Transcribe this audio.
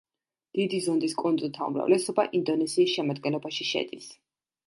დიდი ზონდის კუნძულთა უმრავლესობა ინდონეზიის შემადგენლობაში შედის.